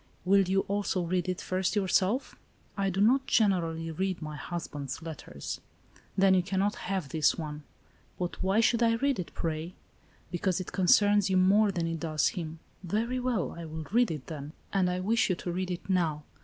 " Will you also read it first yourself ?"" I do not, generally, read my husband's letters." ALICE ; OR, THE WAGES OF SIN. 97 " Then you cannot have this one." " But why should I read it, pray ?"" Because it concerns you more than it does him." " Very well ; I will read it then." " And I wish you to read it now.